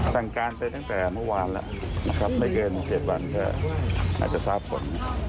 สั่งการไปตั้งแต่เมื่อวานละไม่เกิน๗วันอาจจะทราบผล